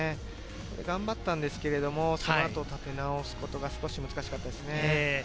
頑張ったんですけれど、その後、立て直すことが少し難しかったですね。